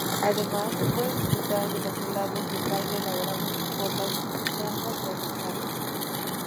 Además, se puede disfrutar de los helados de paila elaborados por las monjas franciscanas.